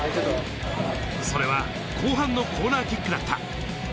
それは後半のコーナーキックだった。